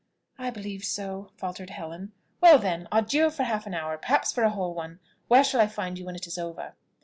"I believe so," faltered Helen. "Well, then, adieu for half an hour, perhaps for a whole one. Where shall I find you when it is over?"